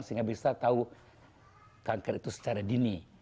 sehingga bisa tahu kanker itu secara dini